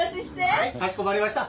はいかしこまりました。